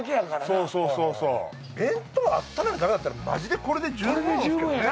そうそうそうそう弁当温めるだけだったらマジでこれで十分ですけどね